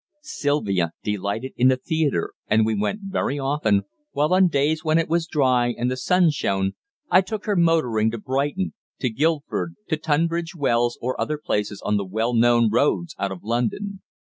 Sylvia delighted in the theatre, and we went very often, while on days when it was dry and the sun shone, I took her motoring to Brighton, to Guildford, to Tunbridge Wells, or other places on the well known roads out of London.